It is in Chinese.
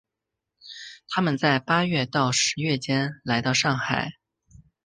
他们在八月到十月间来到上海。